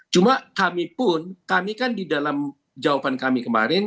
cuma kami pun kami kan di dalam jawaban kami kemarin